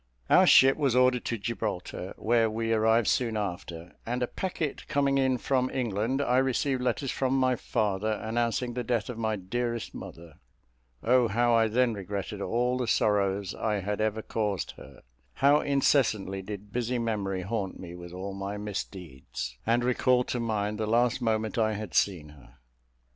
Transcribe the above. Our ship was ordered to Gibraltar, where we arrived soon after; and a packet coming in from England, I received letters from my father, announcing the death of my dearest mother. O how I then regretted all the sorrows I had ever caused her; how incessantly did busy memory haunt me with all my misdeeds, and recall to mind the last moment I had seen her!